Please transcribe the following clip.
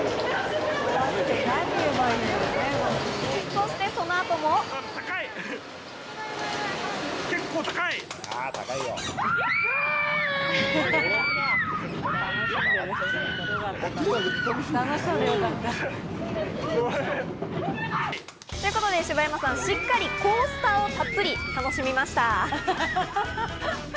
そして、そのあとも。ということで、シバヤマさん、しっかりコースターをたっぷり楽しみました。